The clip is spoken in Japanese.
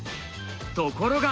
ところが。